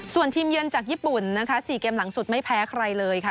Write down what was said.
ส่วนทีมเยือนจากญี่ปุ่นนะคะ๔เกมหลังสุดไม่แพ้ใครเลยค่ะ